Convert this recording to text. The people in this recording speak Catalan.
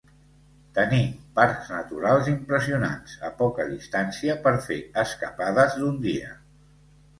Tenim parcs naturals impressionants a poca distància per fer escapades d'un dia.